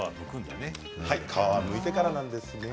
皮はむいてからなんですね。